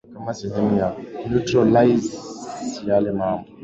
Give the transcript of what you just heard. kama sehemu ya kunutralize yale mambo